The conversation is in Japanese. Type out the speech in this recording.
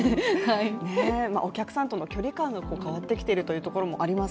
お客さんとの距離感が変わってきているということもあります